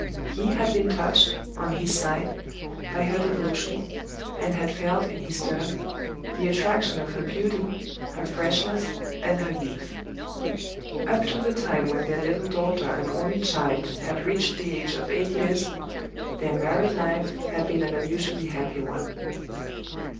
He had been touched, on his side, by her devotion, and had felt, in his turn, the attraction of her beauty, her freshness, and her youth. Up to the time when their little daughter and only child had reached the age of eight years, their married life had been an unusually happy one.